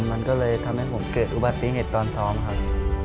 มันก็เลยทำให้ผมเกิดอุบัติเหตุตอนซ้อมครับ